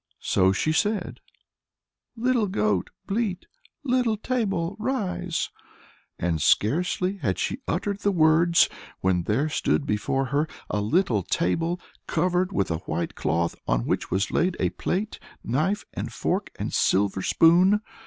So she said, "Little goat, bleat; little table, rise;" and scarcely had she uttered the words, when there stood before her a little table, covered with a white cloth, on which was laid a plate, knife and fork, and silver spoon.